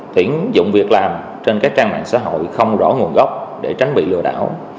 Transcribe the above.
tuyển dụng việc làm trên các trang mạng xã hội không rõ nguồn gốc để tránh bị lừa đảo